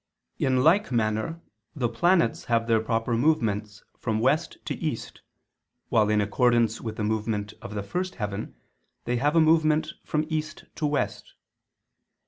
In like manner the planets have their proper movements from west to east, while in accordance with the movement of the first heaven, they have a movement from east to west.